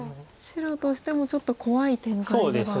白としてもちょっと怖い展開では。